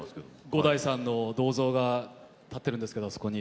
五代さんの銅像が立ってるんですけどあそこに。